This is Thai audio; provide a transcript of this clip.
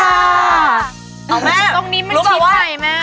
เอาแม่รู้ปะว่าว่าตรงนี้มันชิดไปแม่